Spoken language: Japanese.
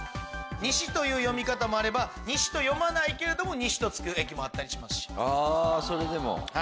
ニシという読み方もあればニシと読まないけれども「西」と付く駅もあったりします。